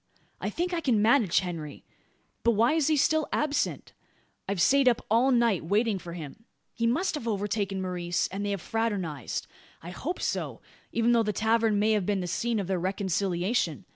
I think I can manage Henry. But why is he still absent? I've sate up all night waiting for him. He must have overtaken Maurice, and they have fraternised. I hope so; even though the tavern may have been the scene of their reconciliation.